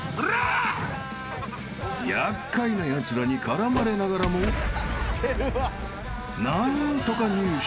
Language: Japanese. ［厄介なやつらに絡まれながらも何とか入手］